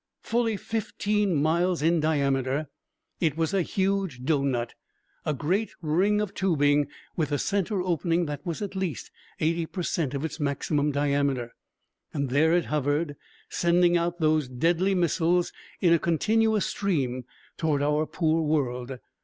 Fully fifteen miles in diameter, it was a huge doughnut, a great ring of tubing with a center opening that was at least eighty per cent of its maximum diameter. There it hovered, sending out those deadly missiles in a continuous stream toward our poor world.